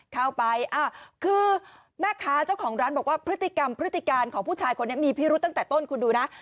เข้าไปคือแม่ค้าเจ้าของร้านบอกว่าพฤติกรรมพฤติการของผู้ชายคนนี้มีพิรุษตั้งแต่ต้นคุณดูนะ